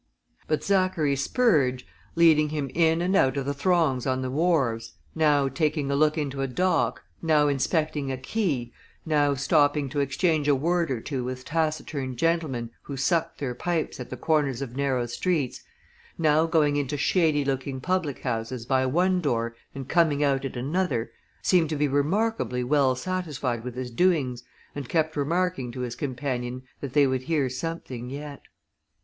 But Zachary Spurge, leading him in and out of the throngs on the wharves, now taking a look into a dock, now inspecting a quay, now stopping to exchange a word or two with taciturn gentlemen who sucked their pipes at the corners of narrow streets, now going into shady looking public houses by one door and coming out at another, seemed to be remarkably well satisfied with his doings and kept remarking to his companion that they would hear something yet.